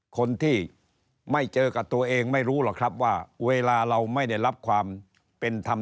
คนที่ไม่เจอกับตัวเองไม่รู้หรอกครับว่าเวลาเราไม่ได้รับความเป็นธรรม